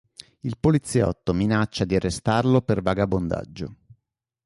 Il poliziotto minaccia di arrestarlo per vagabondaggio.